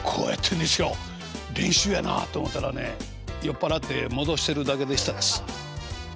「練習やなあ」と思ったらね酔っ払って戻してるだけでしたです。